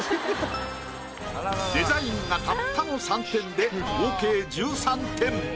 デザインがたったの３点で合計１３点。